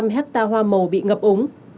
hai mươi năm hectare hoa màu bị ngập ống